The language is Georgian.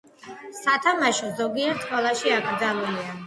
სათამაშო ზოგიერთ სკოლაში აკრძალულია.